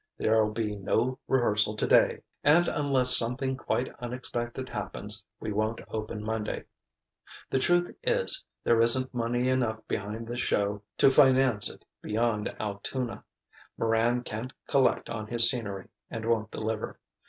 "There'll be no rehearsal today, and and unless something quite unexpected happens, we won't open Monday. The truth is, there isn't money enough behind this show to finance it beyond Altoona. Moran can't collect on his scenery, and won't deliver.